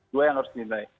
dua yang harus dinilai